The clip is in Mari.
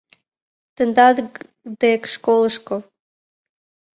— Тендан дек, школышко.